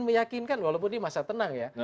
meyakinkan walaupun ini masa tenang ya